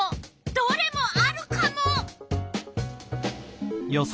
どれもあるカモ！